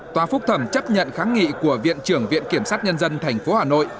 tòa phúc thẩm chấp nhận kháng nghị của viện trưởng viện kiểm sát nhân dân tp hà nội